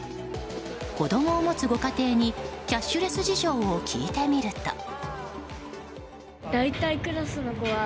子供を持つご家庭にキャッシュレス事情を聞いてみると。